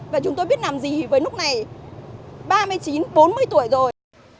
và chúng tôi biết làm gì với lúc này ba mươi chín bốn mươi tuổi rồi